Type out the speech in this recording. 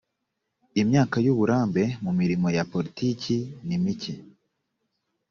imyaka y ‘uburambe mu mirimo ya politiki nimike.